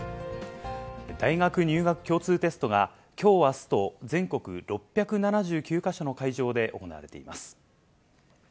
大学入学共通テストが、きょう、あすと全国６７９か所の会場で行われています。